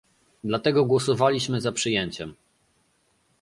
Dlatego głosowaliśmy za przyjęciem